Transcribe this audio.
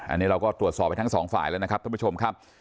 อันนี้เราก็ตรวจสอบไปทั้งสองฝ่ายแล้วนะครับท่านผู้ชมครับ